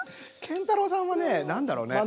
建太郎さんはね何だろうね。